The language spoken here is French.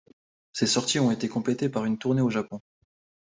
Ces sorties ont été complétées par une tournée au Japon.